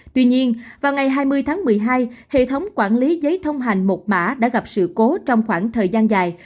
tuy nhiên vào ngày hai mươi tháng một mươi hai hệ thống quản lý giấy thông hành một mã đã gặp sự cố trong khoảng thời gian dài